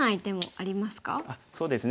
あっそうですね。